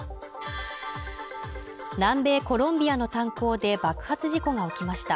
南米コロンビアの炭鉱で爆発事故が起きました